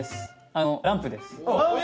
あのランプです。